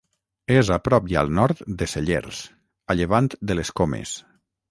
És a prop i al nord de Cellers, a llevant de les Comes.